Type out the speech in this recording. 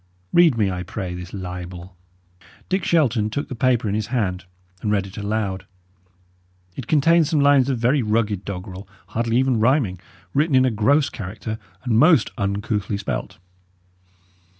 Read me, I pray, this libel." Dick Shelton took the paper in his hand and read it aloud. It contained some lines of very rugged doggerel, hardly even rhyming, written in a gross character, and most uncouthly spelt.